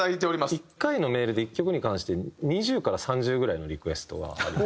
１回のメールで１曲に関して２０から３０ぐらいのリクエストはあります。